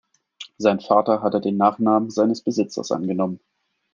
Sein Vater hatte den Nachnamen seines Besitzers angenommen.